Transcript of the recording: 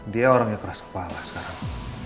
dia orang yang keras kepala sekarang